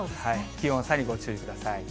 気温差にご注意ください。